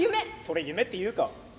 「それ夢って言うかあ？」。